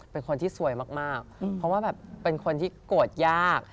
เป็นคนที่สวยมากเพราะว่าแบบเป็นคนที่โกรธยาก